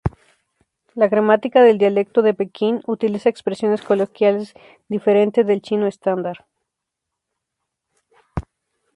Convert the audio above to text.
La gramática del dialecto de Pekín utiliza expresiones coloquiales diferente del chino estándar.